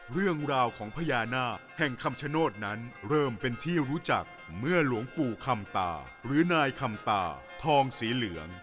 เรื่องราวของพญานาคแห่งคำชโนธนั้นเริ่มเป็นที่รู้จักเมื่อหลวงปู่คำตาหรือนายคำตาทองสีเหลือง